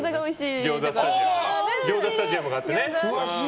ギョーザスタジアムがあってね。